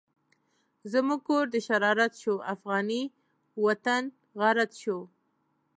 زموږ کور د شرارت شو، افغانی وطن غارت شو